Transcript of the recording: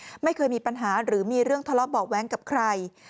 ไม่เคยมีปัญหาหรือมีเรื่องทะเลาะเบาะแว้งกับใคร